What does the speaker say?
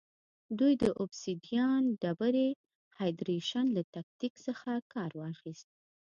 دوی د اوبسیدیان ډبرې هایدرېشن له تکتیک څخه کار واخیست